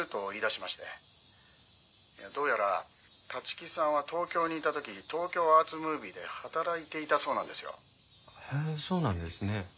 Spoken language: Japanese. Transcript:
「どうやら立木さんは東京にいた時東京アーツムービーで働いていたそうなんですよ」へえそうなんですね。